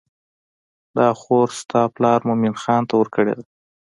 دا خور ستا پلار مومن خان ته ورکړې ده.